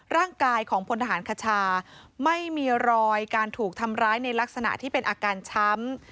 ร่างกายของพลทหารคชาไม่มีรอยการถูกทำร้ายในลักษณะที่เป็นอาการช้ำ